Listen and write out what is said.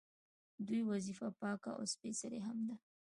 دوی وظیفه پاکه او سپیڅلې هم ده.